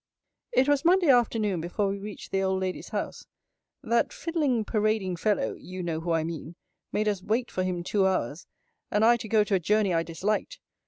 It was Monday afternoon before we reached the old lady's house. That fiddling, parading fellow [you know who I mean] made us wait for him two hours, and I to go to a journey I disliked!